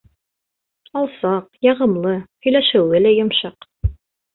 Алсаҡ, яғымлы, һөйләшеүе лә йомшаҡ.